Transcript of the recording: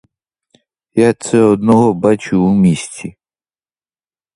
Я це одного бачив у місті!